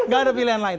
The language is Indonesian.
gak ada pilihan lain